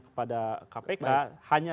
kepada kpk hanya